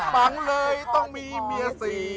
ปังเลยต้องมีเมียสี่